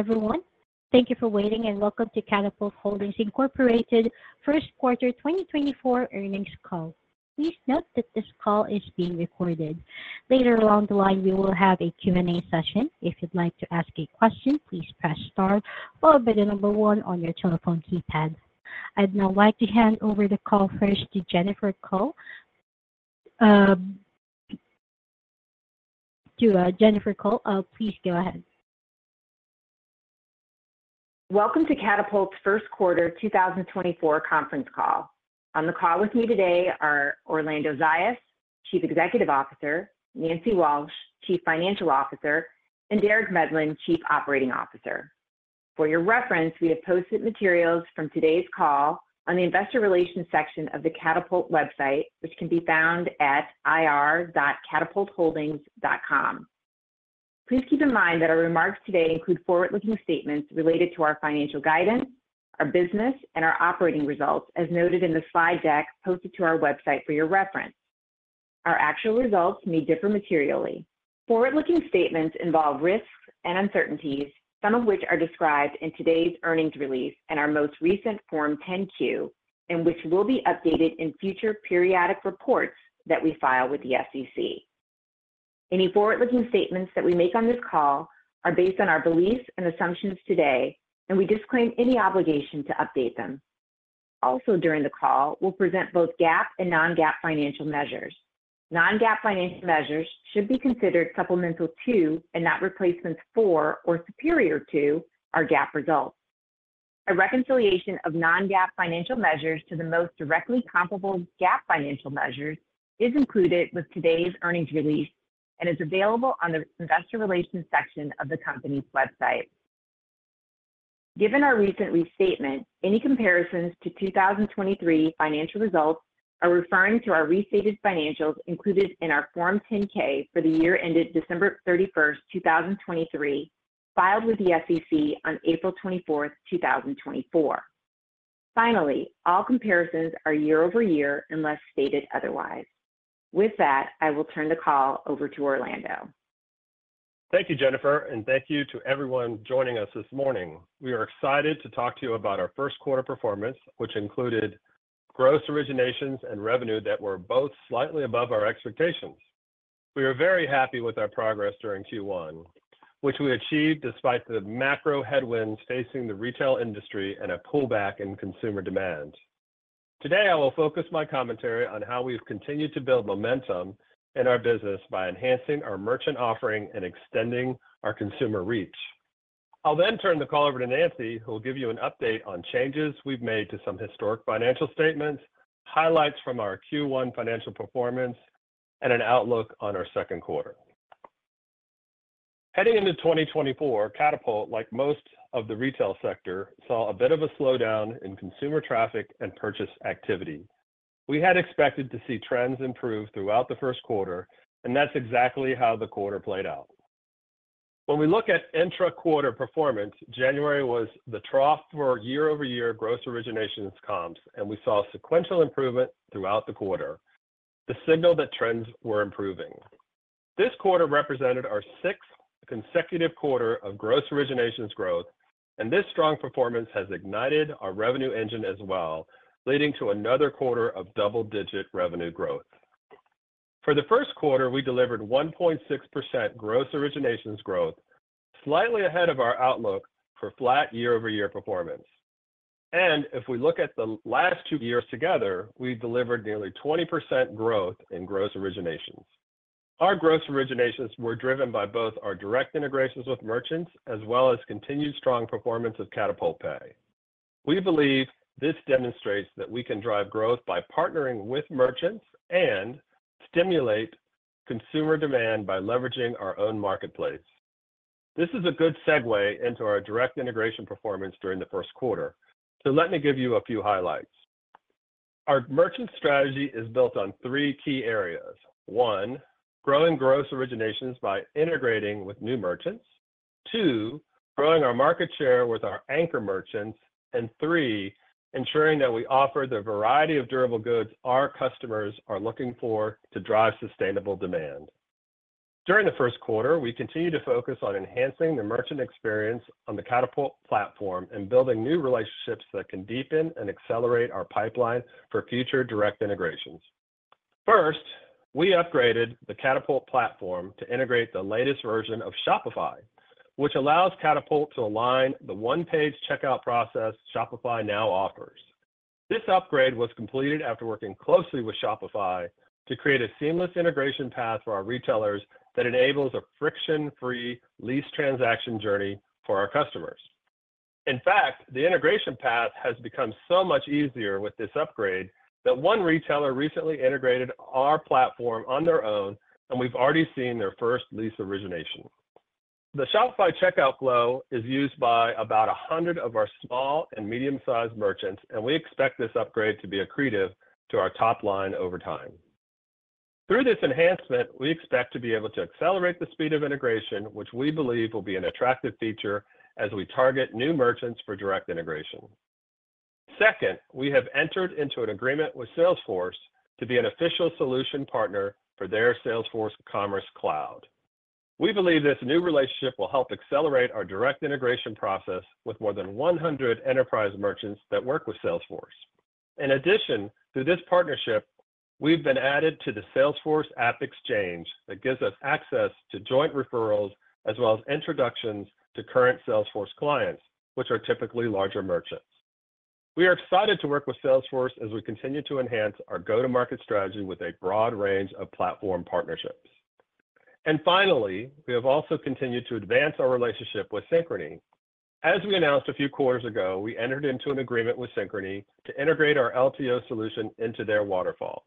Everyone, thank you for waiting, and welcome to Katapult Holdings Incorporated first quarter 2024 earnings call. Please note that this call is being recorded. Later along the line, we will have a Q&A session. If you'd like to ask a question, please press star or by the number one on your telephone keypad. I'd now like to hand over the call first to Jennifer Cole. Jennifer Cole, please go ahead. Welcome to Katapult's first quarter 2024 conference call. On the call with me today are Orlando Zayas, Chief Executive Officer; Nancy Walsh, Chief Financial Officer; and Derek Medlin, Chief Operating Officer. For your reference, we have posted materials from today's call on the investor relations section of the Katapult website, which can be found at ir.katapultholdings.com. Please keep in mind that our remarks today include forward-looking statements related to our financial guidance, our business, and our operating results, as noted in the slide deck posted to our website for your reference. Our actual results may differ materially. Forward-looking statements involve risks and uncertainties, some of which are described in today's earnings release and our most recent Form 10-Q, and which will be updated in future periodic reports that we file with the SEC. Any forward-looking statements that we make on this call are based on our beliefs and assumptions today, and we disclaim any obligation to update them. Also, during the call, we'll present both GAAP and non-GAAP financial measures. Non-GAAP financial measures should be considered supplemental to, and not replacements for or superior to, our GAAP results. A reconciliation of non-GAAP financial measures to the most directly comparable GAAP financial measures is included with today's earnings release and is available on the investor relations section of the company's website. Given our recent restatement, any comparisons to 2023 financial results are referring to our restated financials included in our Form 10-K for the year ended December 31, 2023, filed with the SEC on April 24, 2024. Finally, all comparisons are year-over-year, unless stated otherwise. With that, I will turn the call over to Orlando. Thank you, Jennifer, and thank you to everyone joining us this morning. We are excited to talk to you about our first quarter performance, which included gross originations and revenue that were both slightly above our expectations. We are very happy with our progress during Q1, which we achieved despite the macro headwinds facing the retail industry and a pullback in consumer demand. Today, I will focus my commentary on how we've continued to build momentum in our business by enhancing our merchant offering and extending our consumer reach. I'll then turn the call over to Nancy, who will give you an update on changes we've made to some historic financial statements, highlights from our Q1 financial performance, and an outlook on our second quarter. Heading into 2024, Katapult, like most of the retail sector, saw a bit of a slowdown in consumer traffic and purchase activity. We had expected to see trends improve throughout the first quarter, and that's exactly how the quarter played out. When we look at intra-quarter performance, January was the trough for year-over-year gross originations comps, and we saw sequential improvement throughout the quarter. The signal that trends were improving. This quarter represented our sixth consecutive quarter of gross originations growth, and this strong performance has ignited our revenue engine as well, leading to another quarter of double-digit revenue growth. For the first quarter, we delivered 1.6% gross originations growth, slightly ahead of our outlook for flat year-over-year performance. If we look at the last two years together, we've delivered nearly 20% growth in gross originations. Our gross originations were driven by both our direct integrations with merchants, as well as continued strong performance of Katapult Pay. We believe this demonstrates that we can drive growth by partnering with merchants and stimulate consumer demand by leveraging our own marketplace. This is a good segue into our direct integration performance during the first quarter. So let me give you a few highlights. Our merchant strategy is built on three key areas: one, growing gross originations by integrating with new merchants; two, growing our market share with our anchor merchants; and three, ensuring that we offer the variety of durable goods our customers are looking for to drive sustainable demand. During the first quarter, we continued to focus on enhancing the merchant experience on the Katapult platform and building new relationships that can deepen and accelerate our pipeline for future direct integrations. First, we upgraded the Katapult platform to integrate the latest version of Shopify, which allows Katapult to align the one-page checkout process Shopify now offers. This upgrade was completed after working closely with Shopify to create a seamless integration path for our retailers that enables a friction-free lease transaction journey for our customers. In fact, the integration path has become so much easier with this upgrade that one retailer recently integrated our platform on their own, and we've already seen their first lease origination. The Shopify checkout flow is used by about 100 of our small and medium-sized merchants, and we expect this upgrade to be accretive to our top line over time. Through this enhancement, we expect to be able to accelerate the speed of integration, which we believe will be an attractive feature as we target new merchants for direct integration.... Second, we have entered into an agreement with Salesforce to be an official solution partner for their Salesforce Commerce Cloud. We believe this new relationship will help accelerate our direct integration process with more than 100 enterprise merchants that work with Salesforce. In addition, through this partnership, we've been added to the Salesforce AppExchange that gives us access to joint referrals, as well as introductions to current Salesforce clients, which are typically larger merchants. We are excited to work with Salesforce as we continue to enhance our go-to-market strategy with a broad range of platform partnerships. And finally, we have also continued to advance our relationship with Synchrony. As we announced a few quarters ago, we entered into an agreement with Synchrony to integrate our LTO solution into their waterfall.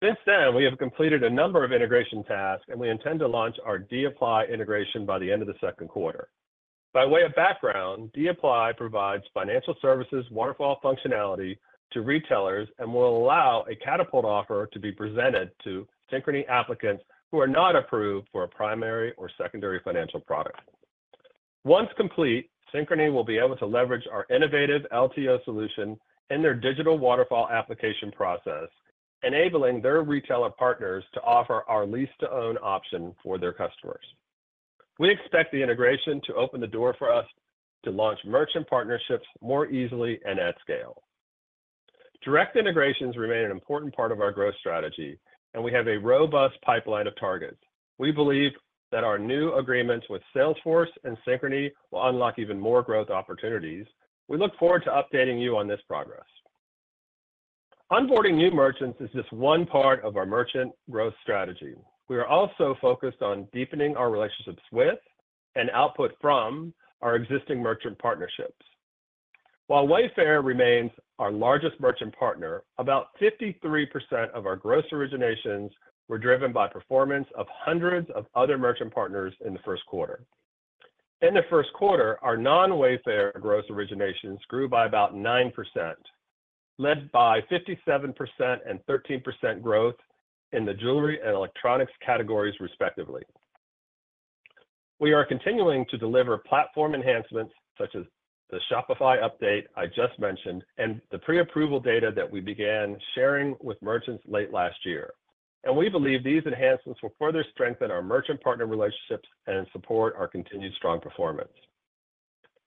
Since then, we have completed a number of integration tasks, and we intend to launch our dApply integration by the end of the second quarter. By way of background, dApply provides financial services waterfall functionality to retailers, and will allow a Katapult offer to be presented to Synchrony applicants who are not approved for a primary or secondary financial product. Once complete, Synchrony will be able to leverage our innovative LTO solution in their digital waterfall application process, enabling their retailer partners to offer our lease-to-own option for their customers. We expect the integration to open the door for us to launch merchant partnerships more easily and at scale. Direct integrations remain an important part of our growth strategy, and we have a robust pipeline of targets. We believe that our new agreements with Salesforce and Synchrony will unlock even more growth opportunities. We look forward to updating you on this progress. Onboarding new merchants is just one part of our merchant growth strategy. We are also focused on deepening our relationships with, and output from, our existing merchant partnerships. While Wayfair remains our largest merchant partner, about 53% of our Gross Originations were driven by performance of hundreds of other merchant partners in the first quarter. In the first quarter, our non-Wayfair Gross Originations grew by about 9%, led by 57% and 13% growth in the jewelry and electronics categories, respectively. We are continuing to deliver platform enhancements, such as the Shopify update I just mentioned, and the pre-approval data that we began sharing with merchants late last year. And we believe these enhancements will further strengthen our merchant partner relationships and support our continued strong performance.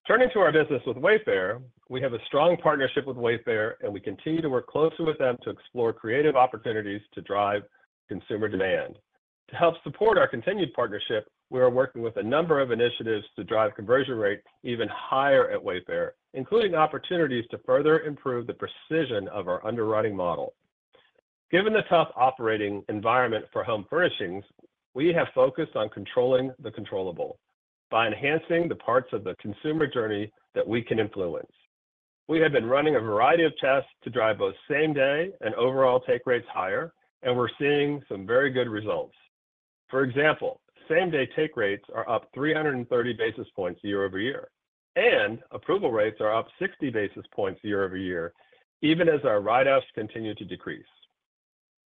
Turning to our business with Wayfair, we have a strong partnership with Wayfair, and we continue to work closely with them to explore creative opportunities to drive consumer demand. To help support our continued partnership, we are working with a number of initiatives to drive conversion rates even higher at Wayfair, including opportunities to further improve the precision of our underwriting model. Given the tough operating environment for home furnishings, we have focused on controlling the controllable by enhancing the parts of the consumer journey that we can influence. We have been running a variety of tests to drive both same-day and overall take rates higher, and we're seeing some very good results. For example, same-day take rates are up 330 basis points year-over-year, and approval rates are up 60 basis points year-over-year, even as our write-offs continue to decrease.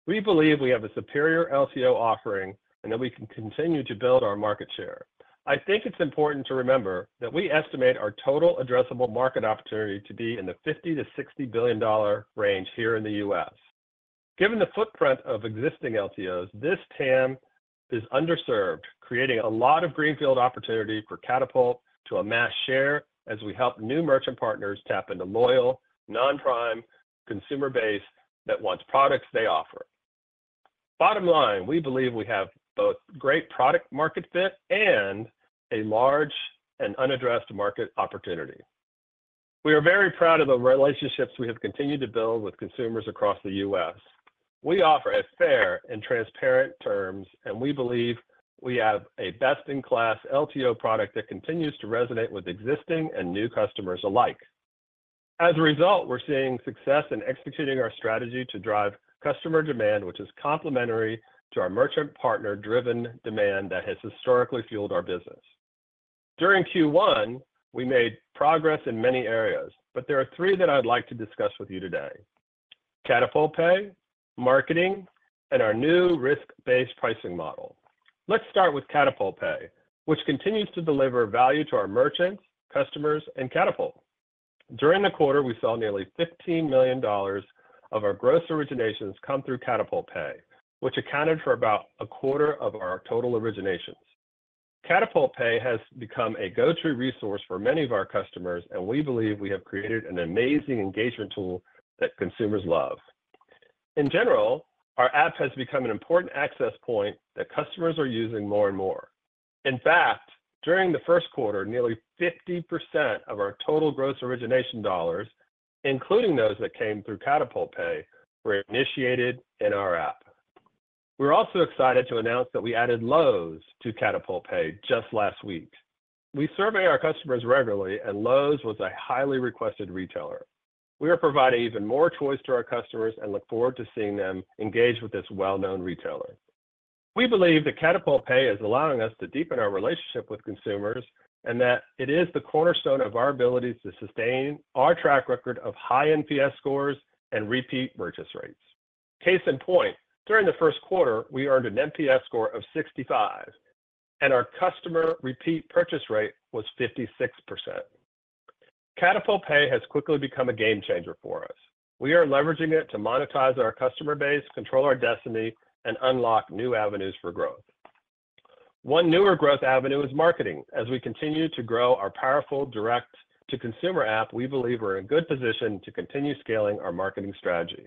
We believe we have a superior LTO offering and that we can continue to build our market share. I think it's important to remember that we estimate our total addressable market opportunity to be in the $50 billion-$60 billion range here in the U.S. Given the footprint of existing LTOs, this TAM is underserved, creating a lot of greenfield opportunity for Katapult to amass share as we help new merchant partners tap into loyal, non-prime consumer base that wants products they offer. Bottom line, we believe we have both great product market fit and a large and unaddressed market opportunity. We are very proud of the relationships we have continued to build with consumers across the U.S. We offer a fair and transparent terms, and we believe we have a best-in-class LTO product that continues to resonate with existing and new customers alike. As a result, we're seeing success in executing our strategy to drive customer demand, which is complementary to our merchant partner-driven demand that has historically fueled our business. During Q1, we made progress in many areas, but there are three that I'd like to discuss with you today: Katapult Pay, marketing, and our new risk-based pricing model. Let's start with Katapult Pay, which continues to deliver value to our merchants, customers, and Katapult. During the quarter, we saw nearly $15 million of our gross originations come through Katapult Pay, which accounted for about a quarter of our total originations. Katapult Pay has become a go-to resource for many of our customers, and we believe we have created an amazing engagement tool that consumers love. In general, our app has become an important access point that customers are using more and more. In fact, during the first quarter, nearly 50% of our total gross origination dollars, including those that came through Katapult Pay, were initiated in our app. We're also excited to announce that we added Lowe's to Katapult Pay just last week. We survey our customers regularly, and Lowe's was a highly requested retailer. We are providing even more choice to our customers and look forward to seeing them engage with this well-known retailer. We believe that Katapult Pay is allowing us to deepen our relationship with consumers, and that it is the cornerstone of our ability to sustain our track record of high NPS scores and repeat purchase rates. Case in point, during the first quarter, we earned an NPS score of 65, and our customer repeat purchase rate was 56%. Katapult Pay has quickly become a game changer for us. We are leveraging it to monetize our customer base, control our destiny, and unlock new avenues for growth. One newer growth avenue is marketing. As we continue to grow our powerful direct-to-consumer app, we believe we're in good position to continue scaling our marketing strategy.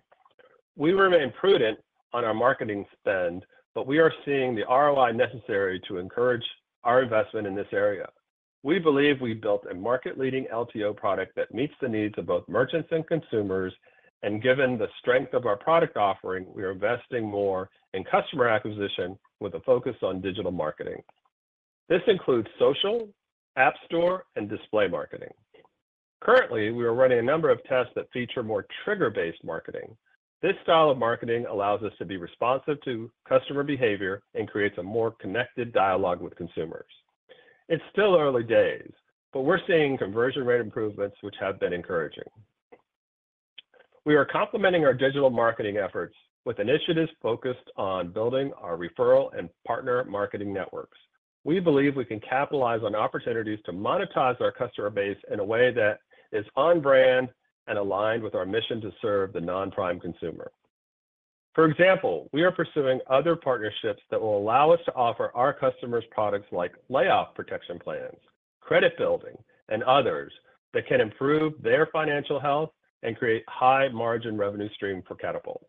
We remain prudent on our marketing spend, but we are seeing the ROI necessary to encourage our investment in this area. We believe we've built a market-leading LTO product that meets the needs of both merchants and consumers, and given the strength of our product offering, we are investing more in customer acquisition with a focus on digital marketing. This includes social, app store, and display marketing. Currently, we are running a number of tests that feature more trigger-based marketing. This style of marketing allows us to be responsive to customer behavior and creates a more connected dialogue with consumers. It's still early days, but we're seeing conversion rate improvements, which have been encouraging. We are complementing our digital marketing efforts with initiatives focused on building our referral and partner marketing networks. We believe we can capitalize on opportunities to monetize our customer base in a way that is on brand and aligned with our mission to serve the non-prime consumer. For example, we are pursuing other partnerships that will allow us to offer our customers products like layoff protection plans, credit building, and others that can improve their financial health and create high-margin revenue stream for Katapult.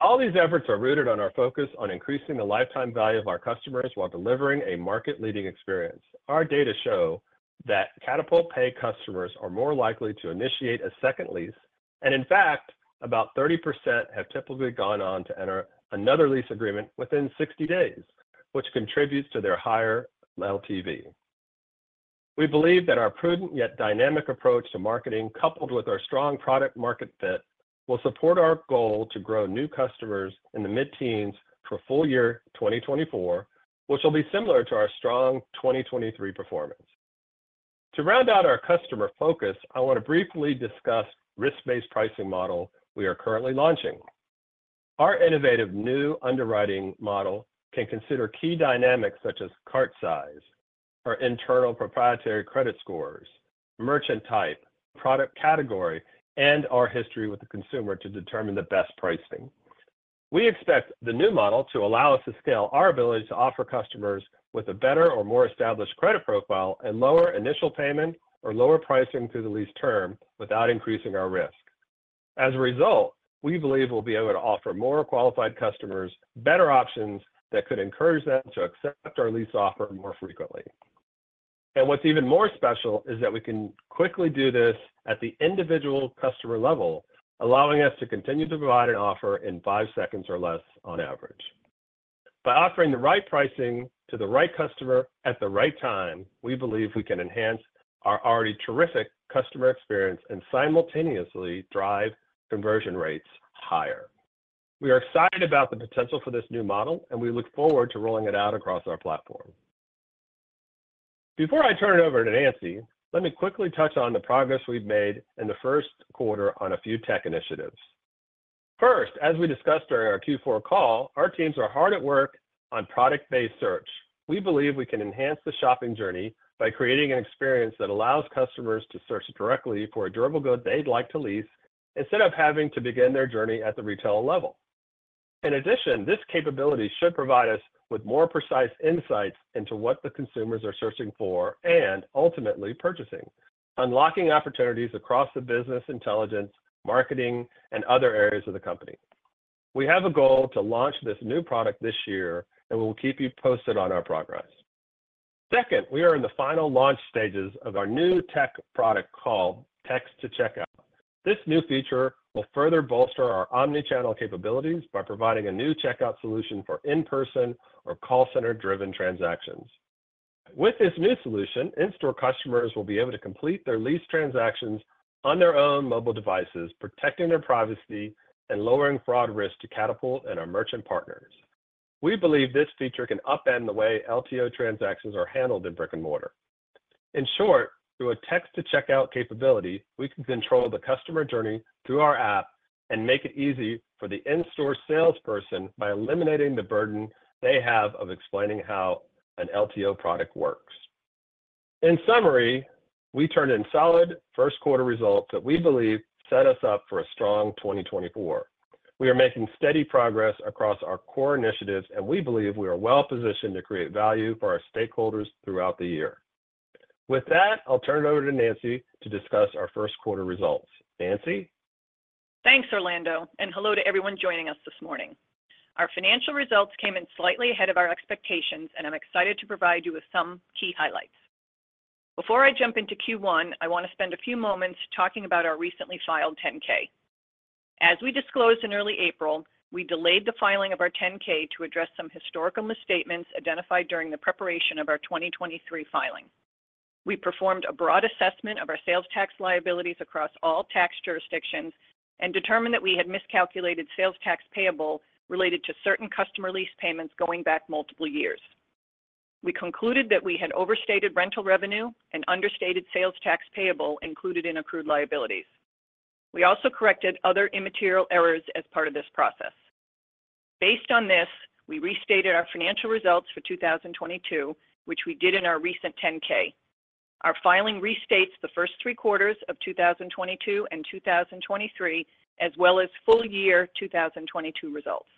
All these efforts are rooted on our focus on increasing the lifetime value of our customers while delivering a market-leading experience. Our data show that Katapult Pay customers are more likely to initiate a second lease, and in fact, about 30% have typically gone on to enter another lease agreement within 60 days, which contributes to their higher LTV. We believe that our prudent, yet dynamic approach to marketing, coupled with our strong product market fit, will support our goal to grow new customers in the mid-teens for full year 2024, which will be similar to our strong 2023 performance. To round out our customer focus, I want to briefly discuss risk-based pricing model we are currently launching. Our innovative new underwriting model can consider key dynamics, such as cart size, our internal proprietary credit scores, merchant type, product category, and our history with the consumer to determine the best pricing. We expect the new model to allow us to scale our ability to offer customers with a better or more established credit profile and lower initial payment or lower pricing through the lease term without increasing our risk. As a result, we believe we'll be able to offer more qualified customers better options that could encourage them to accept our lease offer more frequently. And what's even more special is that we can quickly do this at the individual customer level, allowing us to continue to provide an offer in five seconds or less on average. By offering the right pricing to the right customer at the right time, we believe we can enhance our already terrific customer experience and simultaneously drive conversion rates higher. We are excited about the potential for this new model, and we look forward to rolling it out across our platform. Before I turn it over to Nancy, let me quickly touch on the progress we've made in the first quarter on a few tech initiatives. First, as we discussed during our Q4 call, our teams are hard at work on product-based search. We believe we can enhance the shopping journey by creating an experience that allows customers to search directly for a durable good they'd like to lease, instead of having to begin their journey at the retail level. In addition, this capability should provide us with more precise insights into what the consumers are searching for and ultimately purchasing, unlocking opportunities across the business, intelligence, marketing, and other areas of the company. We have a goal to launch this new product this year, and we will keep you posted on our progress. Second, we are in the final launch stages of our new tech product called Text to Checkout. This new feature will further bolster our omni-channel capabilities by providing a new checkout solution for in-person or call center-driven transactions. With this new solution, in-store customers will be able to complete their lease transactions on their own mobile devices, protecting their privacy and lowering fraud risk to Katapult and our merchant partners. We believe this feature can upend the way LTO transactions are handled in brick-and-mortar. In short, through a Text to Checkout capability, we can control the customer journey through our app and make it easy for the in-store salesperson by eliminating the burden they have of explaining how an LTO product works. In summary, we turned in solid first quarter results that we believe set us up for a strong 2024. We are making steady progress across our core initiatives, and we believe we are well positioned to create value for our stakeholders throughout the year. With that, I'll turn it over to Nancy to discuss our first quarter results. Nancy? Thanks, Orlando, and hello to everyone joining us this morning. Our financial results came in slightly ahead of our expectations, and I'm excited to provide you with some key highlights. Before I jump into Q1, I want to spend a few moments talking about our recently filed 10-K. As we disclosed in early April, we delayed the filing of our 10-K to address some historical misstatements identified during the preparation of our 2023 filing. We performed a broad assessment of our sales tax liabilities across all tax jurisdictions and determined that we had miscalculated sales tax payable related to certain customer lease payments going back multiple years. We concluded that we had overstated rental revenue and understated sales tax payable included in accrued liabilities. We also corrected other immaterial errors as part of this process. Based on this, we restated our financial results for 2022, which we did in our recent 10-K. Our filing restates the first three quarters of 2022 and 2023, as well as full year 2022 results.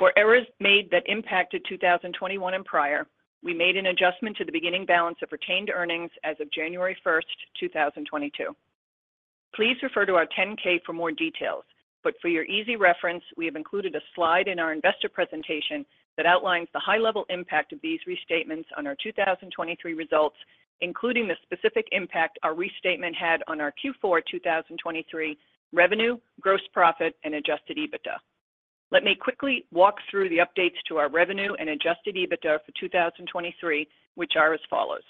For errors made that impacted 2021 and prior, we made an adjustment to the beginning balance of retained earnings as of January 1, 2022. Please refer to our 10-K for more details, but for your easy reference, we have included a slide in our investor presentation that outlines the high-level impact of these restatements on our 2023 results, including the specific impact our restatement had on our Q4 2023 revenue, gross profit, and Adjusted EBITDA. Let me quickly walk through the updates to our revenue and Adjusted EBITDA for 2023, which are as follows: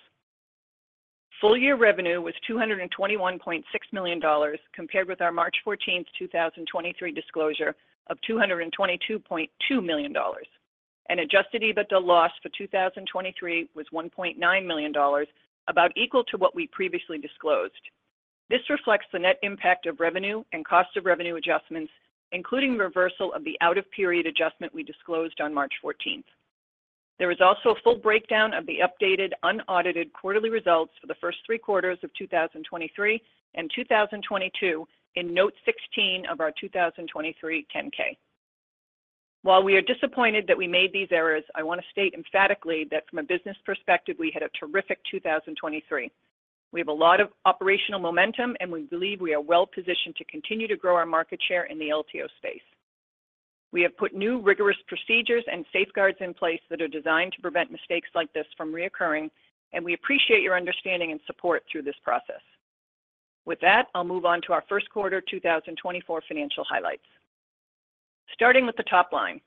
Full-year revenue was $221.6 million, compared with our March 14, 2023 disclosure of $222.2 million. Adjusted EBITDA loss for 2023 was $1.9 million, about equal to what we previously disclosed. This reflects the net impact of revenue and cost of revenue adjustments, including reversal of the out-of-period adjustment we disclosed on March 14. There is also a full breakdown of the updated, unaudited quarterly results for the first three quarters of 2023 and 2022 in Note 16 of our 2023 Form 10-K. While we are disappointed that we made these errors, I want to state emphatically that from a business perspective, we had a terrific 2023. We have a lot of operational momentum, and we believe we are well-positioned to continue to grow our market share in the LTO space. We have put new rigorous procedures and safeguards in place that are designed to prevent mistakes like this from recurring, and we appreciate your understanding and support through this process. With that, I'll move on to our first quarter 2024 financial highlights. Starting with the top line,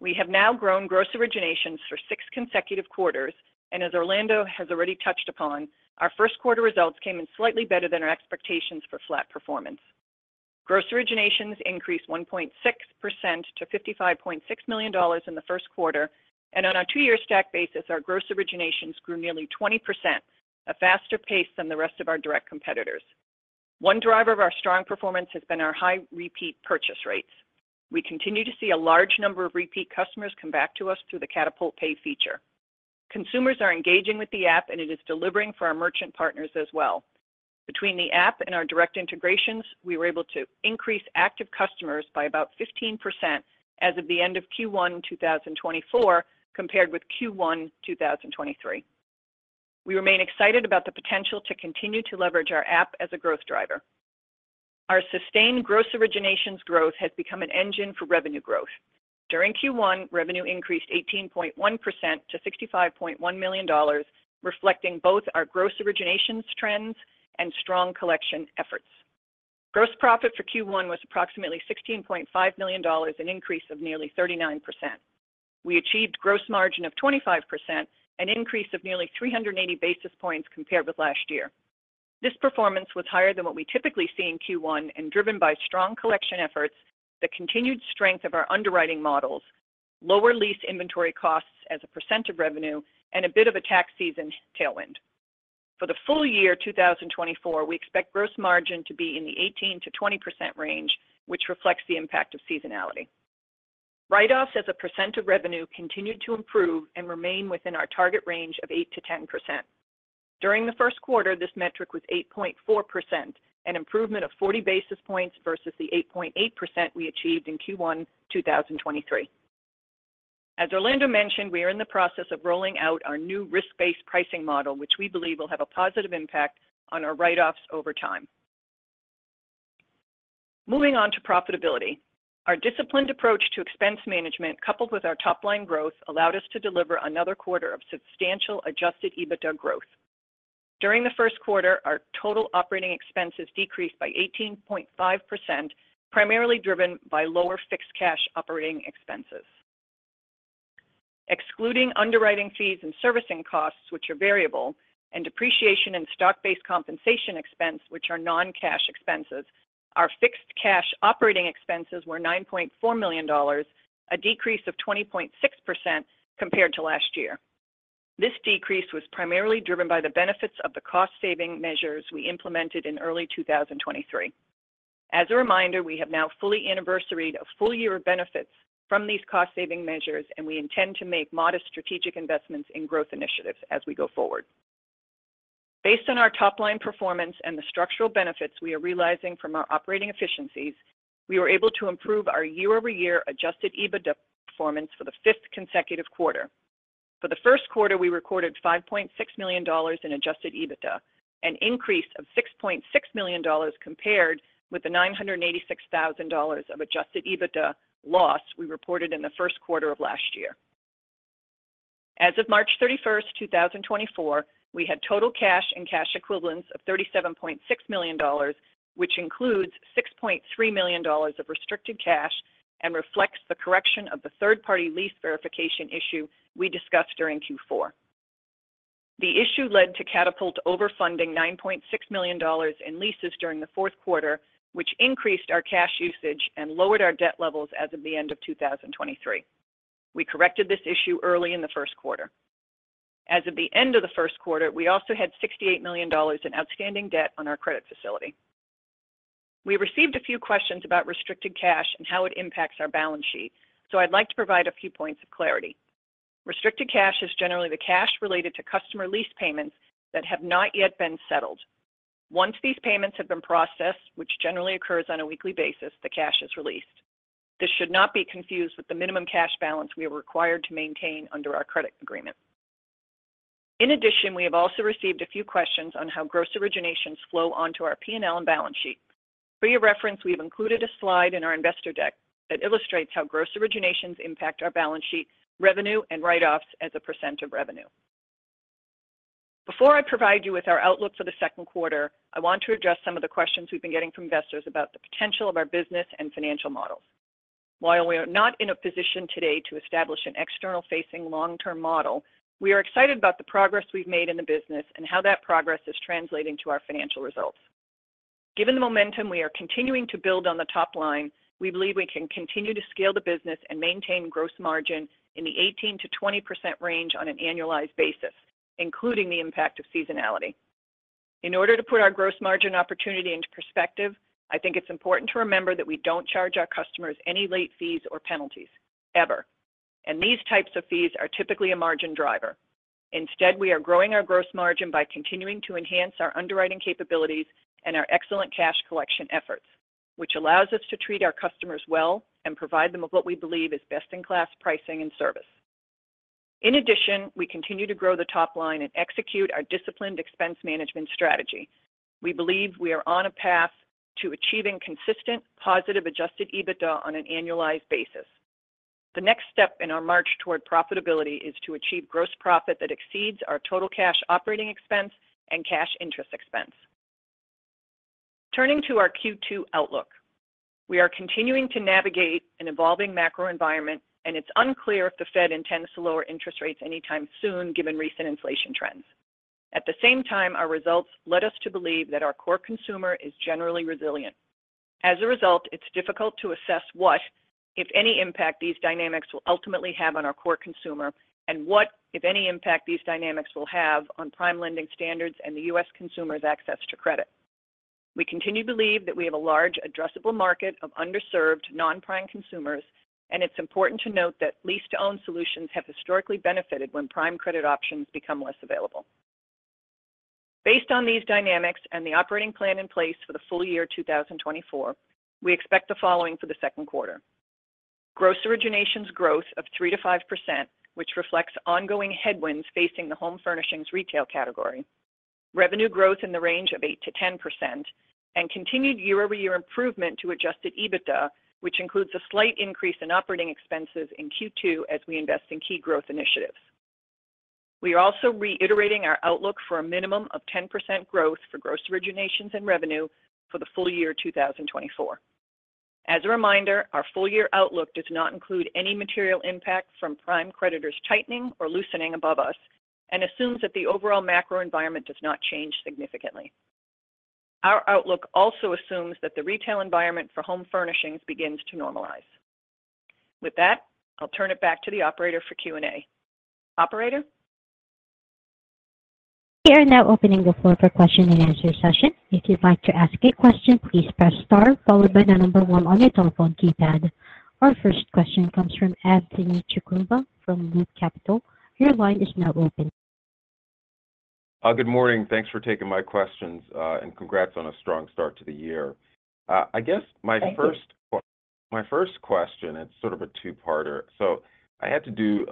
we have now grown gross originations for six consecutive quarters, and as Orlando has already touched upon, our first quarter results came in slightly better than our expectations for flat performance. Gross originations increased 1.6% to $55.6 million in the first quarter, and on a two-year stack basis, our gross originations grew nearly 20%, a faster pace than the rest of our direct competitors. One driver of our strong performance has been our high repeat purchase rates. We continue to see a large number of repeat customers come back to us through the Katapult Pay feature. Consumers are engaging with the app, and it is delivering for our merchant partners as well. Between the app and our direct integrations, we were able to increase active customers by about 15% as of the end of Q1 2024 compared with Q1 2023. We remain excited about the potential to continue to leverage our app as a growth driver. Our sustained gross originations growth has become an engine for revenue growth. During Q1, revenue increased 18.1% to $65.1 million, reflecting both our gross originations trends and strong collection efforts. Gross profit for Q1 was approximately $16.5 million, an increase of nearly 39%. We achieved gross margin of 25%, an increase of nearly 380 basis points compared with last year. This performance was higher than what we typically see in Q1 and driven by strong collection efforts, the continued strength of our underwriting models, lower lease inventory costs as a percent of revenue, and a bit of a tax season tailwind. For the full year 2024, we expect gross margin to be in the 18%-20% range, which reflects the impact of seasonality. Write-offs as a percent of revenue continued to improve and remain within our target range of 8%-10%. During the first quarter, this metric was 8.4%, an improvement of 40 basis points versus the 8.8% we achieved in Q1 2023. As Orlando mentioned, we are in the process of rolling out our new risk-based pricing model, which we believe will have a positive impact on our write-offs over time. Moving on to profitability. Our disciplined approach to expense management, coupled with our top-line growth, allowed us to deliver another quarter of substantial adjusted EBITDA growth. During the first quarter, our total operating expenses decreased by 18.5%, primarily driven by lower fixed cash operating expenses. Excluding underwriting fees and servicing costs, which are variable, and depreciation and stock-based compensation expense, which are non-cash expenses, our fixed cash operating expenses were $9.4 million, a decrease of 20.6% compared to last year. This decrease was primarily driven by the benefits of the cost-saving measures we implemented in early 2023. As a reminder, we have now fully anniversaried a full year of benefits from these cost-saving measures, and we intend to make modest strategic investments in growth initiatives as we go forward. Based on our top-line performance and the structural benefits we are realizing from our operating efficiencies, we were able to improve our year-over-year adjusted EBITDA performance for the fifth consecutive quarter. For the first quarter, we recorded $5.6 million in Adjusted EBITDA, an increase of $6.6 million, compared with the $986,000 of Adjusted EBITDA loss we reported in the first quarter of last year. As of March 31, 2024, we had total cash and cash equivalents of $37.6 million, which includes $6.3 million of Restricted Cash and reflects the correction of the third-party lease verification issue we discussed during Q4. The issue led to Katapult overfunding $9.6 million in leases during the fourth quarter, which increased our cash usage and lowered our debt levels as of the end of 2023. We corrected this issue early in the first quarter. As of the end of the first quarter, we also had $68 million in outstanding debt on our credit facility. We received a few questions about restricted cash and how it impacts our balance sheet, so I'd like to provide a few points of clarity. Restricted cash is generally the cash related to customer lease payments that have not yet been settled. Once these payments have been processed, which generally occurs on a weekly basis, the cash is released. This should not be confused with the minimum cash balance we are required to maintain under our credit agreement. In addition, we have also received a few questions on how gross originations flow onto our P&L and balance sheet. For your reference, we've included a slide in our investor deck that illustrates how gross originations impact our balance sheet, revenue, and write-offs as a percent of revenue. Before I provide you with our outlook for the second quarter, I want to address some of the questions we've been getting from investors about the potential of our business and financial models. While we are not in a position today to establish an external-facing long-term model, we are excited about the progress we've made in the business and how that progress is translating to our financial results. Given the momentum we are continuing to build on the top line, we believe we can continue to scale the business and maintain gross margin in the 18%-20% range on an annualized basis, including the impact of seasonality. In order to put our gross margin opportunity into perspective, I think it's important to remember that we don't charge our customers any late fees or penalties, ever. These types of fees are typically a margin driver. Instead, we are growing our gross margin by continuing to enhance our underwriting capabilities and our excellent cash collection efforts, which allows us to treat our customers well and provide them with what we believe is best-in-class pricing and service. In addition, we continue to grow the top line and execute our disciplined expense management strategy. We believe we are on a path to achieving consistent, positive, Adjusted EBITDA on an annualized basis. The next step in our march toward profitability is to achieve gross profit that exceeds our total cash operating expense and cash interest expense. Turning to our Q2 outlook. We are continuing to navigate an evolving macro environment, and it's unclear if the Fed intends to lower interest rates anytime soon, given recent inflation trends. At the same time, our results led us to believe that our core consumer is generally resilient. As a result, it's difficult to assess what, if any, impact these dynamics will ultimately have on our core consumer, and what, if any, impact these dynamics will have on prime lending standards and the U.S. consumers' access to credit. We continue to believe that we have a large addressable market of underserved non-prime consumers, and it's important to note that lease-to-own solutions have historically benefited when prime credit options become less available. Based on these dynamics and the operating plan in place for the full year 2024, we expect the following for the second quarter: gross originations growth of 3%-5%, which reflects ongoing headwinds facing the home furnishings retail category, revenue growth in the range of 8%-10%, and continued year-over-year improvement to Adjusted EBITDA, which includes a slight increase in operating expenses in Q2 as we invest in key growth initiatives. We are also reiterating our outlook for a minimum of 10% growth for gross originations and revenue for the full year 2024. As a reminder, our full-year outlook does not include any material impact from prime creditors tightening or loosening above us and assumes that the overall macro environment does not change significantly. Our outlook also assumes that the retail environment for home furnishings begins to normalize. With that, I'll turn it back to the operator for Q&A. Operator? We are now opening the floor for question and answer session. If you'd like to ask a question, please press star followed by the number one on your telephone keypad. Our first question comes from Anthony Chukumba from Loop Capital Markets. Your line is now open. Good morning. Thanks for taking my questions, and congrats on a strong start to the year. I guess my first- Thank you. My first question, it's sort of a two-parter. So I had to do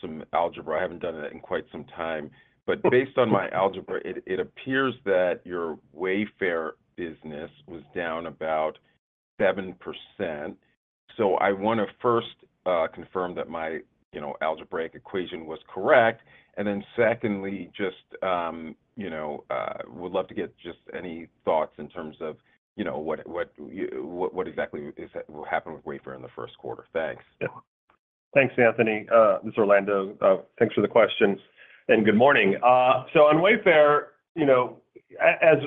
some algebra. I haven't done it in quite some time, but based on my algebra, it appears that your Wayfair business was down about 7%. So I wanna first confirm that my, you know, algebraic equation was correct. And then secondly, just, you know, would love to get just any thoughts in terms of, you know, what exactly is happened with Wayfair in the first quarter? Thanks. Yeah. Thanks, Anthony. This is Orlando. Thanks for the question and good morning. So on Wayfair, you know, as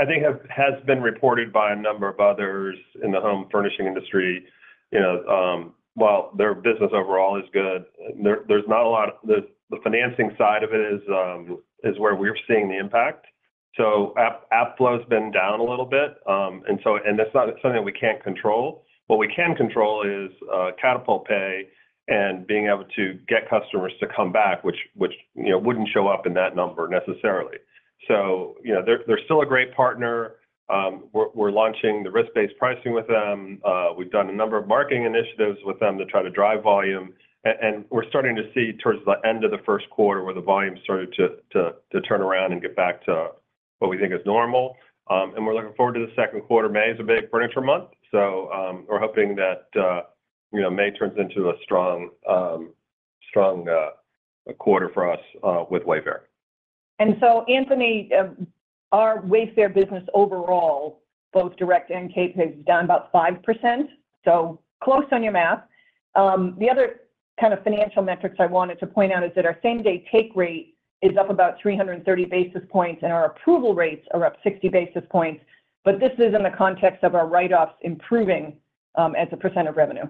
I think has been reported by a number of others in the home furnishing industry, you know, while their business overall is good, there's not a lot. The financing side of it is where we're seeing the impact. So app flow's been down a little bit, and that's not something we can't control. What we can control is Katapult Pay and being able to get customers to come back, which, you know, wouldn't show up in that number necessarily. So, you know, they're still a great partner. We're launching the risk-based pricing with them. We've done a number of marketing initiatives with them to try to drive volume, and we're starting to see towards the end of the first quarter, where the volume started to turn around and get back to what we think is normal. And we're looking forward to the second quarter. May is a big furniture month, so we're hoping that, you know, May turns into a strong quarter for us, with Wayfair. So, Anthony, our Wayfair business overall, both direct and Katapult, has done about 5%, so close on your math. The other kind of financial metrics I wanted to point out is that our same-day take rate is up about 330 basis points, and our approval rates are up 60 basis points. But this is in the context of our write-offs improving, as a % of revenue....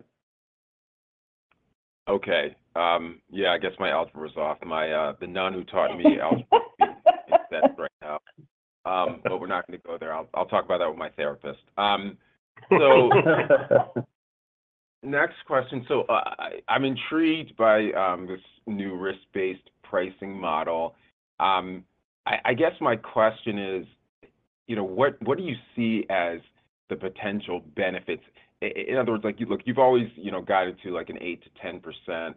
Okay, yeah, I guess my algebra is off. My, the nun who taught me algebra--is upset right now. But we're not going to go there. I'll talk about that with my therapist. So next question. So I'm intrigued by this new risk-based pricing model. I guess my question is, you know, what do you see as the potential benefits? In other words, like, you look, you've always, you know, guided to like an 8%-10%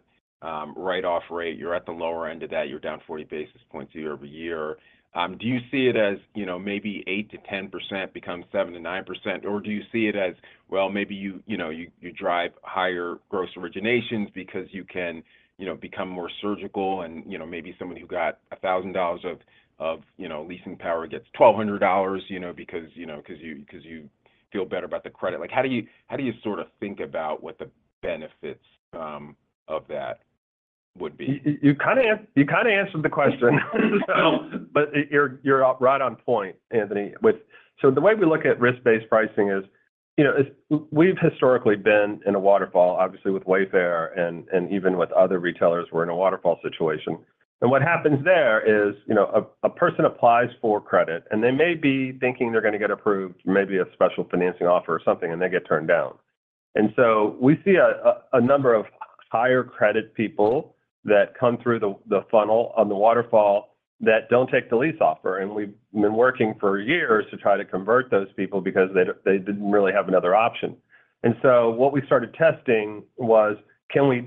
write-off rate. You're at the lower end of that, you're down 40 basis points year-over-year. Do you see it as, you know, maybe 8%-10% becomes 7%-9%? Or do you see it as, well, maybe you, you know, you drive higher gross originations because you can, you know, become more surgical and, you know, maybe somebody who got $1,000 of leasing power gets $1,200, you know, because, you know, 'cause you, 'cause you feel better about the credit. Like, how do you, how do you sort of think about what the benefits of that would be? You kinda answered the question. But you're right on point, Anthony, with. So the way we look at risk-based pricing is, you know, we've historically been in a waterfall, obviously, with Wayfair, and even with other retailers, we're in a waterfall situation. And what happens there is, you know, a person applies for credit, and they may be thinking they're going to get approved, maybe a special financing offer or something, and they get turned down. And so we see a number of higher credit people that come through the funnel on the waterfall that don't take the lease offer, and we've been working for years to try to convert those people because they didn't really have another option. So what we started testing was, can we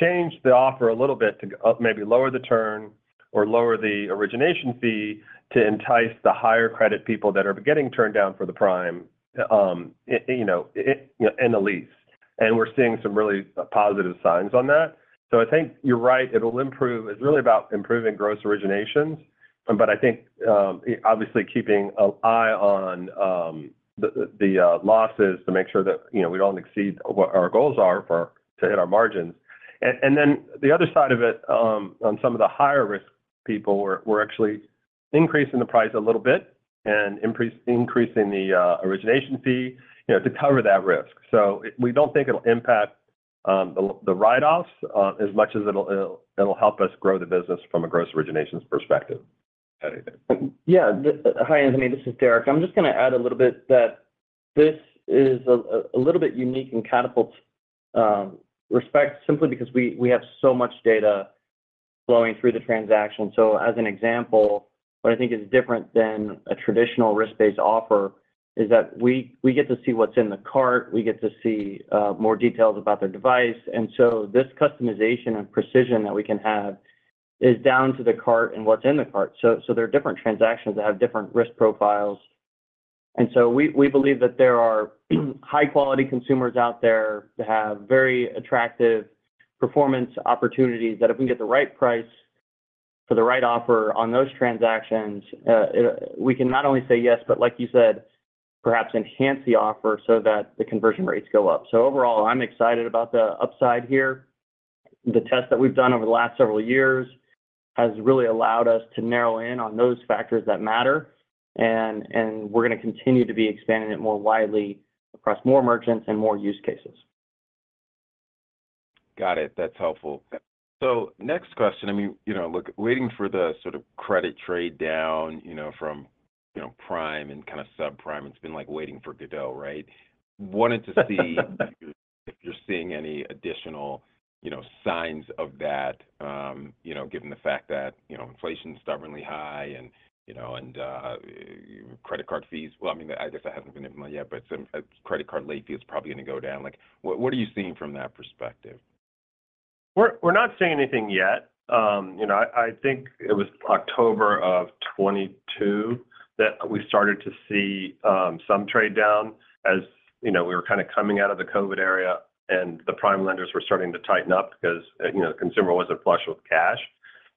change the offer a little bit to maybe lower the term or lower the origination fee to entice the higher credit people that are getting turned down for the prime, you know, in the lease? And we're seeing some really positive signs on that. So I think you're right, it'll improve. It's really about improving gross originations, but I think obviously keeping an eye on the losses to make sure that, you know, we don't exceed what our goals are for to hit our margins. And then the other side of it, on some of the higher risk people, we're actually increasing the price a little bit and increasing the origination fee, you know, to cover that risk. So, we don't think it'll impact the write-offs as much as it'll help us grow the business from a gross originations perspective. Anything? Yeah. Hi, Anthony, this is Derek. I'm just going to add a little bit that this is a little bit unique in Katapult's respect, simply because we have so much data flowing through the transaction. So as an example, what I think is different than a traditional risk-based offer is that we get to see what's in the cart, we get to see more details about their device. And so this customization and precision that we can have is down to the cart and what's in the cart. So there are different transactions that have different risk profiles. And so we believe that there are high-quality consumers out there that have very attractive performance opportunities, that if we can get the right price for the right offer on those transactions, we can not only say yes, but like you said, perhaps enhance the offer so that the conversion rates go up. So overall, I'm excited about the upside here. The test that we've done over the last several years has really allowed us to narrow in on those factors that matter, and we're going to continue to be expanding it more widely across more merchants and more use cases. Got it. That's helpful. So next question, I mean, you know, look, waiting for the sort of credit trade down, you know, from, you know, prime and kind of subprime, it's been like Waiting for Godot, right? Wanted to see if you're seeing any additional, you know, signs of that, you know, given the fact that, you know, inflation is stubbornly high and, you know, and, credit card fees. Well, I mean, I guess that hasn't been implemented yet, but, credit card late fee is probably going to go down. Like, what, what are you seeing from that perspective? We're not seeing anything yet. You know, I think it was October of 2022 that we started to see some trade down, as you know, we were kind of coming out of the COVID era, and the prime lenders were starting to tighten up because, you know, consumer wasn't flush with cash.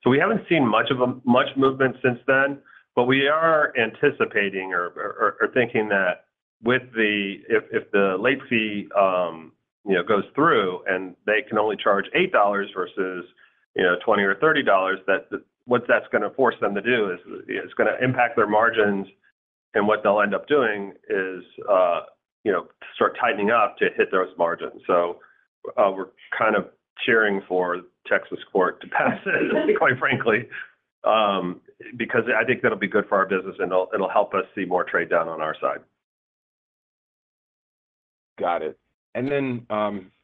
So we haven't seen much movement since then, but we are anticipating or thinking that with the if the late fee, you know, goes through and they can only charge $8 versus, you know, $20 or $30, that what that's going to force them to do is it's going to impact their margins, and what they'll end up doing is, you know, start tightening up to hit those margins. So, we're kind of cheering for Texas Court to pass it, quite frankly, because I think that'll be good for our business, and it'll help us see more trade down on our side. Got it. And then,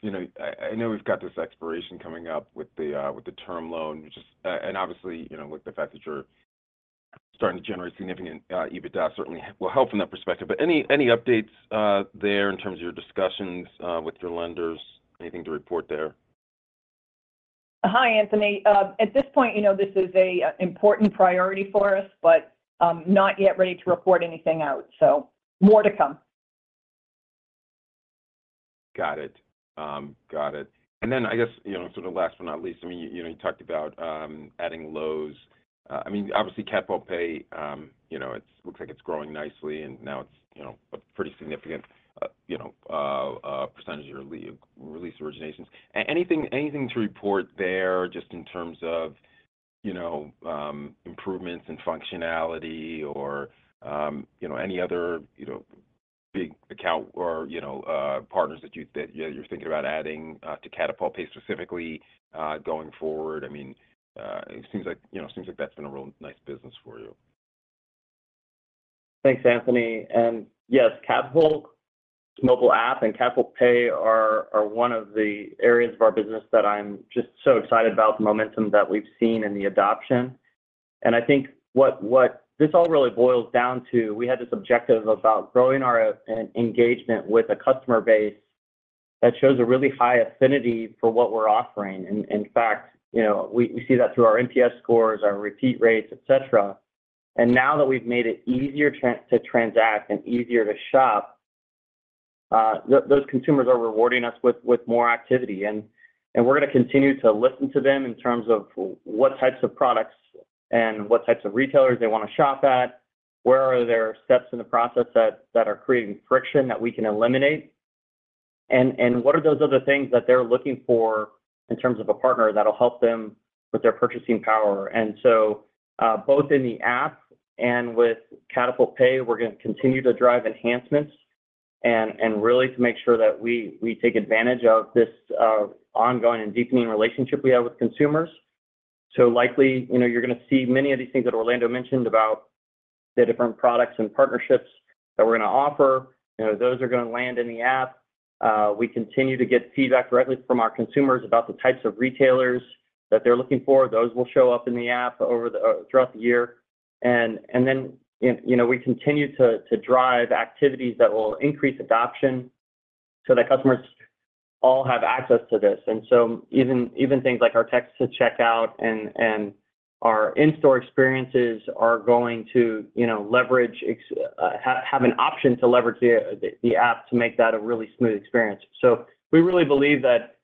you know, I know we've got this expiration coming up with the term loan, just and obviously, you know, with the fact that you're starting to generate significant EBITDA certainly will help from that perspective. But any updates there in terms of your discussions with your lenders? Anything to report there? Hi, Anthony. At this point, you know, this is an important priority for us, but not yet ready to report anything out, so more to come. Got it. Got it. And then I guess, you know, sort of last but not least, I mean, you know, you talked about adding Lowe's. I mean, obviously, Katapult Pay, you know, it looks like it's growing nicely, and now it's, you know, a pretty significant, you know, percentage of your lease originations. Anything to report there, just in terms of, you know, improvements in functionality or, you know, any other, you know, big account or, you know, partners that you, that you're thinking about adding to Katapult Pay specifically, going forward? I mean, it seems like, you know, it seems like that's been a real nice business for you. Thanks, Anthony. And yes, Katapult mobile app and Katapult Pay are one of the areas of our business that I'm just so excited about the momentum that we've seen and the adoption. And I think what this all really boils down to, we had this objective about growing our engagement with a customer base that shows a really high affinity for what we're offering. And, in fact, you know, we see that through our NPS scores, our repeat rates, et cetera. And now that we've made it easier to transact and easier to shop, those consumers are rewarding us with more activity. We're gonna continue to listen to them in terms of what types of products and what types of retailers they want to shop at, where are there steps in the process that are creating friction that we can eliminate, and what are those other things that they're looking for in terms of a partner that'll help them with their purchasing power? So, both in the app and with Katapult Pay, we're gonna continue to drive enhancements and really to make sure that we take advantage of this ongoing and deepening relationship we have with consumers. So likely, you know, you're gonna see many of these things that Orlando mentioned about the different products and partnerships that we're gonna offer. You know, those are gonna land in the app. We continue to get feedback directly from our consumers about the types of retailers that they're looking for. Those will show up in the app over the throughout the year. And then, you know, we continue to drive activities that will increase adoption so that customers all have access to this. And so even things like our Text to Checkout and our in-store experiences are going to, you know, leverage have an option to leverage the app to make that a really smooth experience. So we really believe that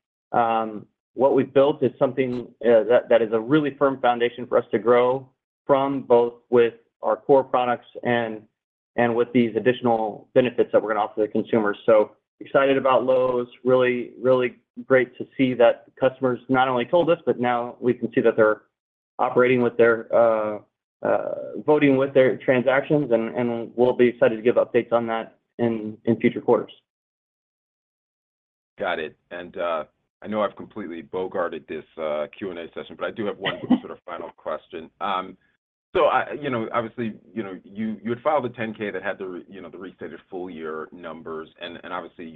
what we've built is something that is a really firm foundation for us to grow from, both with our core products and with these additional benefits that we're gonna offer the consumers. So excited about Lowe's. Really, really great to see that customers not only told us, but now we can see that they're voting with their transactions, and we'll be excited to give updates on that in future quarters. Got it. And I know I've completely bogarted this Q&A session, but I do have one sort of final question. So I, you know, obviously, you know, you had filed a 10-K that had the restated full year numbers. And obviously,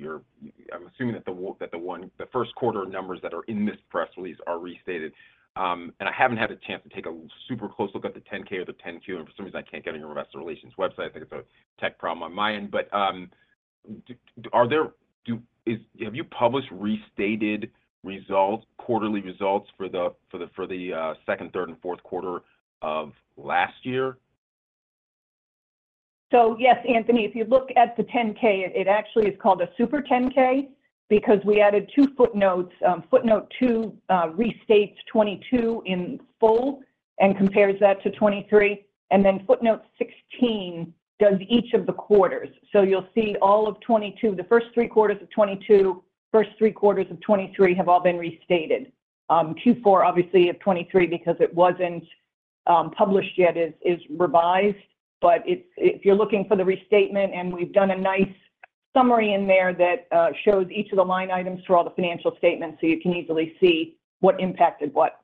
I'm assuming that the first quarter numbers that are in this press release are restated. And I haven't had a chance to take a super close look at the 10-K or the 10-Q, and for some reason I can't get on your investor relations website. I think it's a tech problem on my end. But, have you published restated results, quarterly results for the second, third, and fourth quarter of last year? So yes, Anthony, if you look at the 10-K, it actually is called a super 10-K because we added two footnotes. Footnote two restates 2022 in full and compares that to 2023, and then footnote sixteen does each of the quarters. So you'll see all of 2022, the first three quarters of 2022, first three quarters of 2023 have all been restated. Q4 obviously of 2023, because it wasn't published yet, is revised, but it's if you're looking for the restatement, and we've done a nice summary in there that shows each of the line items for all the financial statements, so you can easily see what impacted what.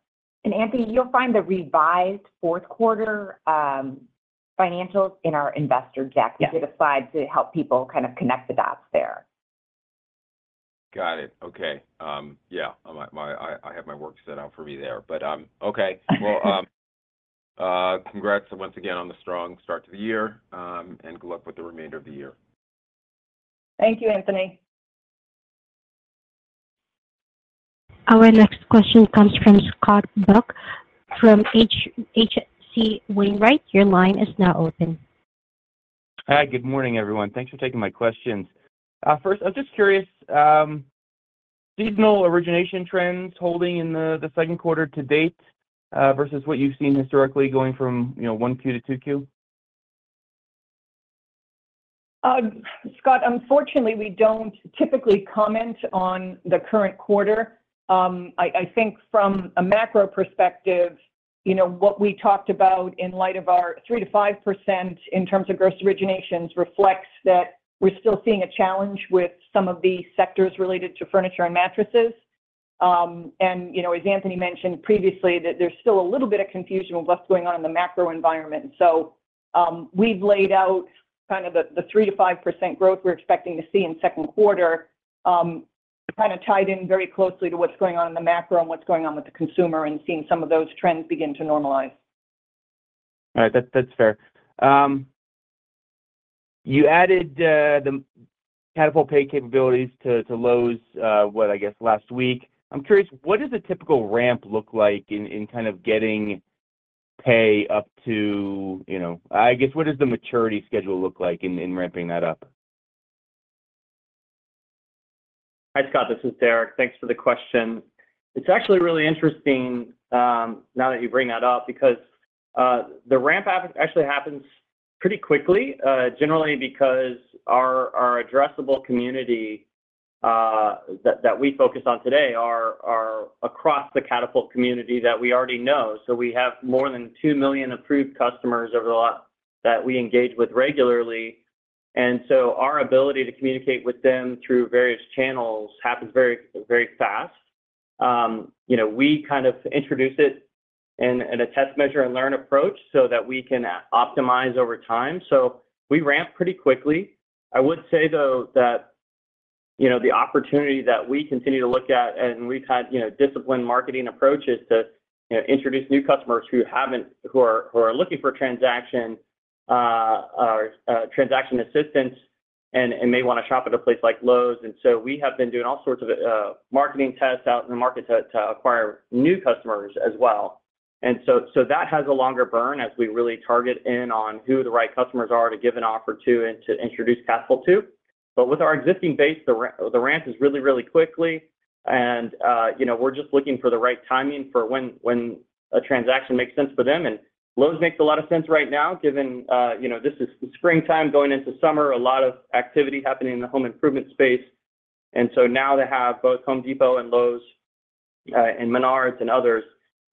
Anthony, you'll find the revised fourth quarter financials in our investor deck. Yes. We did a slide to help people kind of connect the dots there. Got it. Okay. Yeah, I have my work set out for me there, but okay. Well, congrats once again on the strong start to the year, and good luck with the remainder of the year. Thank you, Anthony. Our next question comes from Scott Buck from H.C. Wainwright. Your line is now open. Hi, good morning, everyone. Thanks for taking my questions. First, I'm just curious, seasonal origination trends holding in the, the second quarter to date, versus what you've seen historically going from, you know, one Q to two Q? Scott, unfortunately, we don't typically comment on the current quarter. I think from a macro perspective, you know, what we talked about in light of our 3%-5% in terms of gross originations reflects that we're still seeing a challenge with some of the sectors related to furniture and mattresses. And, you know, as Anthony mentioned previously, that there's still a little bit of confusion with what's going on in the macro environment. We've laid out kind of the 3%-5% growth we're expecting to see in second quarter, kind of tied in very closely to what's going on in the macro and what's going on with the consumer and seeing some of those trends begin to normalize. All right. That's, that's fair. You added the Katapult Pay capabilities to Lowe's what, I guess last week. I'm curious, what does a typical ramp look like in kind of getting pay up to, you know... I guess, what does the maturity schedule look like in ramping that up? Hi, Scott, this is Derek. Thanks for the question. It's actually really interesting, now that you bring that up, because the ramp up actually happens pretty quickly, generally because our addressable community that we focus on today are across the Katapult community that we already know. So we have more than 2 million approved customers overall that we engage with regularly, and so our ability to communicate with them through various channels happens very, very fast. You know, we kind of introduce it in a test, measure, and learn approach so that we can optimize over time, so we ramp pretty quickly. I would say, though, that, you know, the opportunity that we continue to look at, and we've had, you know, disciplined marketing approaches to, you know, introduce new customers who are looking for a transaction or transaction assistance and may want to shop at a place like Lowe's. And so we have been doing all sorts of marketing tests out in the market to acquire new customers as well. And so that has a longer burn as we really target in on who the right customers are to give an offer to and to introduce Katapult to. But with our existing base, the ramp is really, really quickly and, you know, we're just looking for the right timing for when a transaction makes sense for them. Lowe's makes a lot of sense right now, given, you know, this is springtime going into summer, a lot of activity happening in the home improvement space. So now they have both Home Depot and Lowe's, and Menards and others.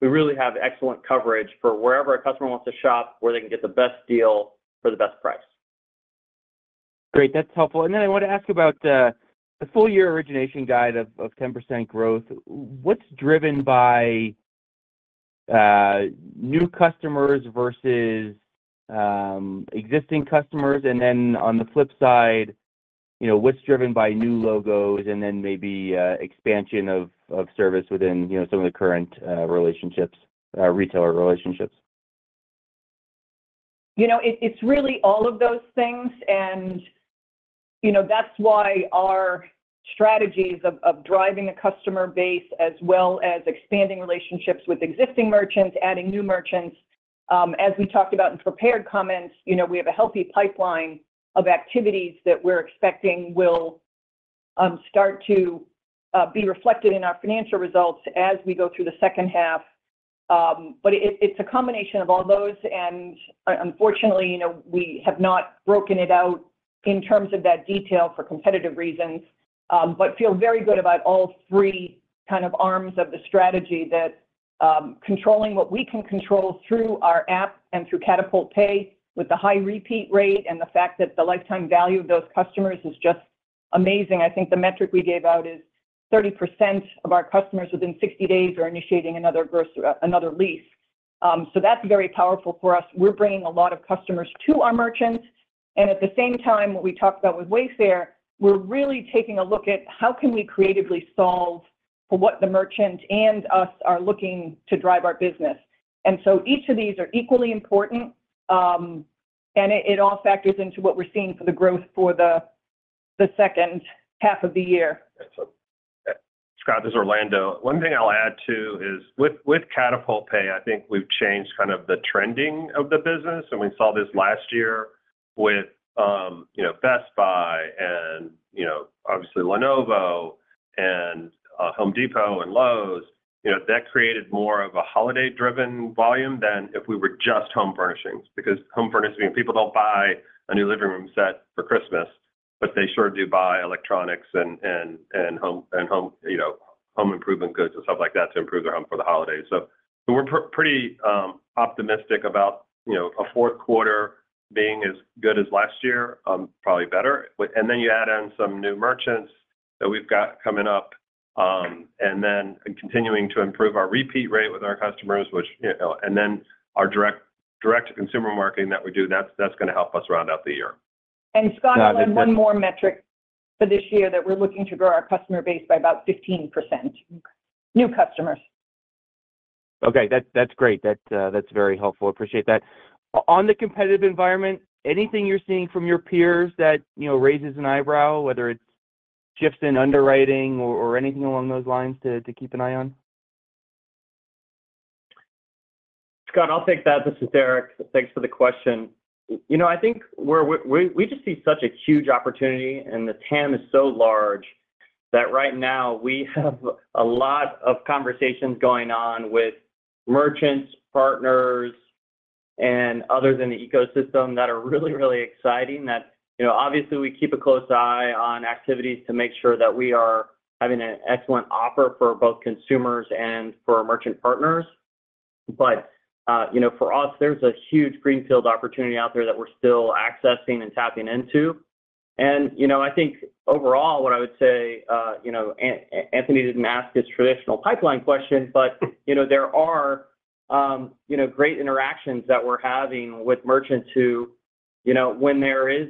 We really have excellent coverage for wherever a customer wants to shop, where they can get the best deal for the best price. Great. That's helpful. And then I want to ask about the full year origination guide of 10% growth. What's driven by new customers versus existing customers? And then on the flip side, you know, what's driven by new logos and then maybe expansion of service within, you know, some of the current relationships, retailer relationships? You know, it's really all of those things, and, you know, that's why our strategies of driving a customer base, as well as expanding relationships with existing merchants, adding new merchants, as we talked about in prepared comments, you know, we have a healthy pipeline of activities that we're expecting will start to be reflected in our financial results as we go through the second half. But it's a combination of all those, and unfortunately, you know, we have not broken it out in terms of that detail for competitive reasons, but feel very good about all three kind of arms of the strategy that controlling what we can control through our app and through Katapult Pay, with the high repeat rate and the fact that the lifetime value of those customers is just amazing. I think the metric we gave out is 30% of our customers within 60 days are initiating another lease. So that's very powerful for us. We're bringing a lot of customers to our merchants, and at the same time, what we talked about with Wayfair, we're really taking a look at how can we creatively solve for what the merchant and us are looking to drive our business. And so each of these are equally important, and it all factors into what we're seeing for the growth for the second half of the year. Scott, this is Orlando. One thing I'll add, too, is with Katapult Pay, I think we've changed kind of the trending of the business, and we saw this last year with, you know, Best Buy and, you know, obviously Lenovo and Home Depot and Lowe's. You know, that created more of a holiday-driven volume than if we were just home furnishings, because home furnishings, people don't buy a new living room set for Christmas, but they sure do buy electronics and home improvement goods and stuff like that to improve their home for the holidays. So we're pretty optimistic about, you know, a fourth quarter being as good as last year, probably better. And then you add in some new merchants that we've got coming up, and then continuing to improve our repeat rate with our customers, which, you know... And then our direct, direct-to-consumer marketing that we do, that's, that's going to help us round out the year. Scott, I'll add one more metric for this year, that we're looking to grow our customer base by about 15%, new customers. Okay, that's great. That's very helpful. Appreciate that. On the competitive environment, anything you're seeing from your peers that, you know, raises an eyebrow, whether it's shifts in underwriting or anything along those lines to keep an eye on? Scott, I'll take that. This is Derek. Thanks for the question. You know, I think we just see such a huge opportunity, and the TAM is so large, that right now we have a lot of conversations going on with merchants, partners, and others in the ecosystem that are really, really exciting. That, you know, obviously we keep a close eye on activities to make sure that we are having an excellent offer for both consumers and for our merchant partners. But, you know, for us, there's a huge greenfield opportunity out there that we're still accessing and tapping into. And, you know, I think overall, what I would say, you know, Anthony didn't ask this traditional pipeline question, but, you know, there are, you know, great interactions that we're having with merchants who, you know, when there is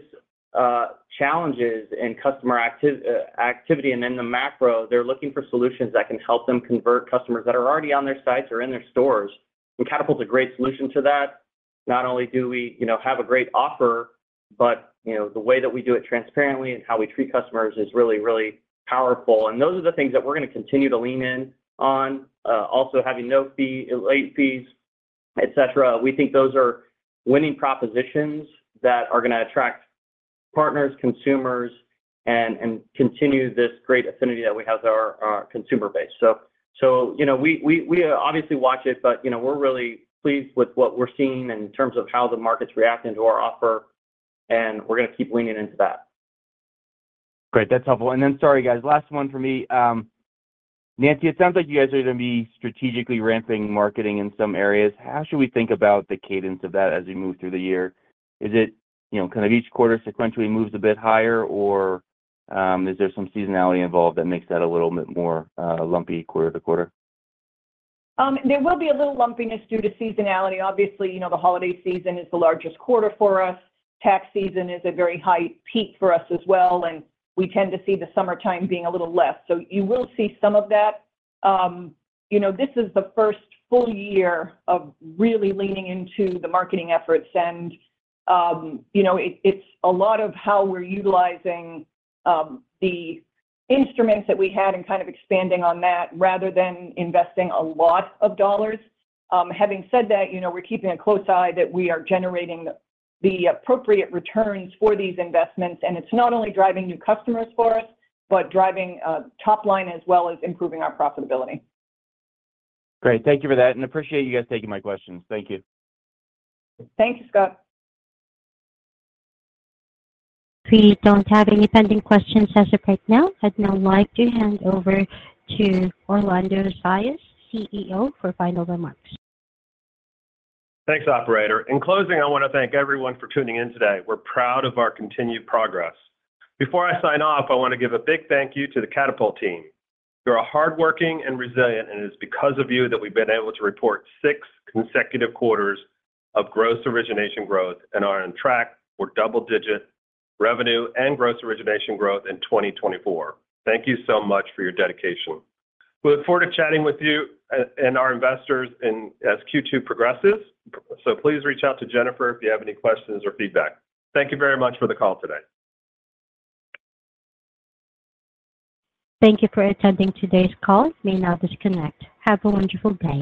challenges in customer activity and in the macro, they're looking for solutions that can help them convert customers that are already on their sites or in their stores. And Katapult's a great solution to that. Not only do we, you know, have a great offer, but, you know, the way that we do it transparently and how we treat customers is really, really powerful. And those are the things that we're going to continue to lean in on. Also, having no fee, late fees, et cetera, we think those are winning propositions that are going to attract-... partners, consumers, and continue this great affinity that we have with our consumer base. So, you know, we obviously watch it, but, you know, we're really pleased with what we're seeing in terms of how the market's reacting to our offer, and we're gonna keep leaning into that. Great. That's helpful. And then, sorry, guys, last one for me. Nancy, it sounds like you guys are gonna be strategically ramping marketing in some areas. How should we think about the cadence of that as we move through the year? Is it, you know, kind of each quarter sequentially moves a bit higher, or, is there some seasonality involved that makes that a little bit more, lumpy quarter to quarter? There will be a little lumpiness due to seasonality. Obviously, you know, the holiday season is the largest quarter for us. Tax season is a very high peak for us as well, and we tend to see the summertime being a little less. So you will see some of that. You know, this is the first full year of really leaning into the marketing efforts, and, you know, it, it's a lot of how we're utilizing, the instruments that we had and kind of expanding on that, rather than investing a lot of dollars. Having said that, you know, we're keeping a close eye that we are generating the appropriate returns for these investments, and it's not only driving new customers for us, but driving, top line, as well as improving our profitability. Great. Thank you for that, and appreciate you guys taking my questions. Thank you. Thank you, Scott. We don't have any pending questions as of right now. I'd now like to hand over to Orlando Zayas, CEO, for final remarks. Thanks, operator. In closing, I wanna thank everyone for tuning in today. We're proud of our continued progress. Before I sign off, I wanna give a big thank you to the Katapult team. You're hardworking and resilient, and it's because of you that we've been able to report six consecutive quarters of gross origination growth and are on track for double-digit revenue and gross origination growth in 2024. Thank you so much for your dedication. We look forward to chatting with you and our investors as Q2 progresses, so please reach out to Jennifer if you have any questions or feedback. Thank you very much for the call today. Thank you for attending today's call. You may now disconnect. Have a wonderful day.